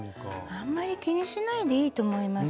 あんまり気にしないでいいと思います。